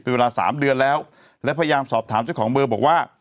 เป็นเวลาสามเดือนแล้วและพยายามสอบถามเจ้าของเบอร์บอกว่า